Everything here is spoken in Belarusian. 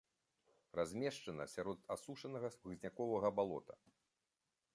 Размешчана сярод асушанага хмызняковага балота.